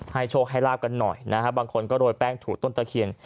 ให้โชคให้ราบกันหน่อยบางคนก็โดยแป้งถูดต้นตะเคียน